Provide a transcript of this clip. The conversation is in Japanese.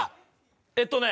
えっとね